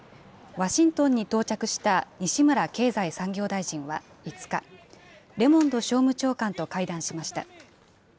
ワシントンに到着した西村経済産業大臣は５日、レモンド商務長官と会談しました。